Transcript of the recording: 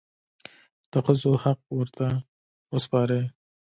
د ښځو حق ورته وسپارئ.